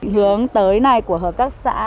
hướng tới này của học tác xã